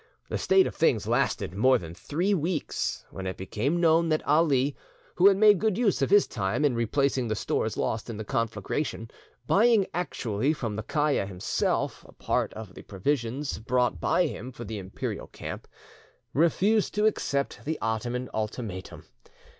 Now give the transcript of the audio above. This state of things lasted mare than three weeks, when it became known that Ali, who had made good use of his time in replacing the stores lost in the conflagration, buying actually from the Kiaia himself a part of the provisions brought by him for the Imperial camp, refused to accept the Ottoman ultimatum.